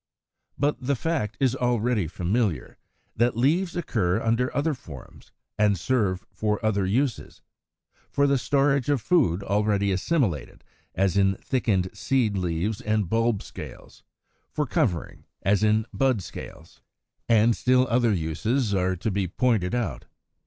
119. But the fact is already familiar (10 30) that leaves occur under other forms and serve for other uses, for the storage of food already assimilated, as in thickened seed leaves and bulb scales; for covering, as in bud scales; and still other uses are to be pointed out.